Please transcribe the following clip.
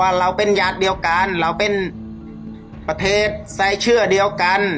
เราเป็นญาติเดียวกันเราเป็นประเทศไซเชื่อเดียวกัน